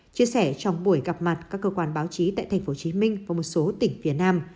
chia sẻ trong buổi gặp mặt các cơ quan báo chí tại tp hcm và một số tỉnh phía nam